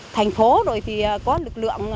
thành phố rồi thì có lực lượng